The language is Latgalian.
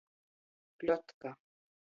Pļotka.